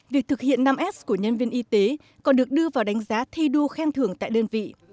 việc thực hiện năm s của nhân viên y tế còn được đưa vào đánh giá thi đua khen thưởng tại đơn vị